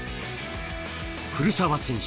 古澤選手